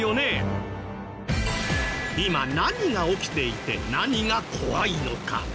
今何が起きていて何が怖いのか？